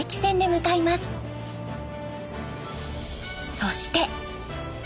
そして。